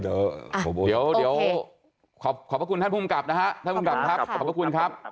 เดี๋ยวขอบพระคุณท่านภูมิกรับนะครับขอบพระคุณครับ